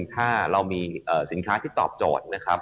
ถ้าเรามีสินค้าตอบโจทย์